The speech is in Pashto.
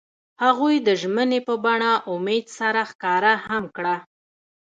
هغوی د ژمنې په بڼه امید سره ښکاره هم کړه.